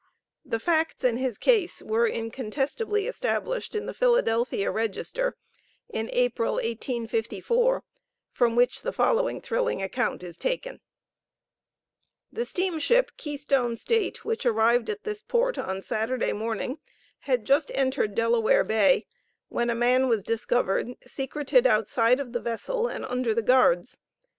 The facts in his case were incontestably established in the Philadelphia Register in April, 1854, from which the following thrilling account is taken: The steamship, Keystone State, which arrived at this port on Saturday morning, had just entered Delaware Bay, when a man was discovered secreted outside of the vessel and under the guards.